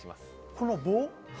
この棒？